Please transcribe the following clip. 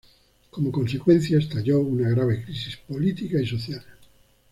Como consecuencia estalló una grave crisis política y social.